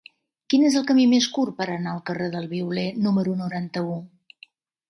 Quin és el camí més curt per anar al carrer del Violer número noranta-u?